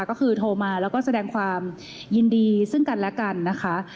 ก็คือโทรมาแล้วก็แสดงความยินดีซึ่งกันและกันนะคะ